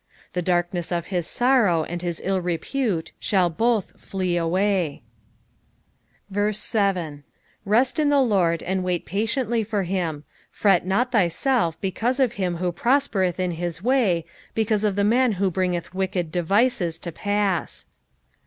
The darkness of his sorrow and his ill repute shall both flee awsj. 7 Rest in the Lord, and wait patiently for him : fret not thyself because of him who prospereth in his way, because of the man who bringeth wicked devices to pass.